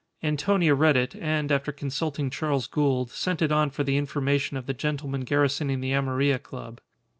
Antonia read it, and, after consulting Charles Gould, sent it on for the information of the gentlemen garrisoning the Amarilla Club.